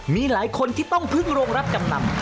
มีหลายคนที่ต้องพึ่งโรงรับจำนำ